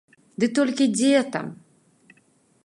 Ды толькі дзе там!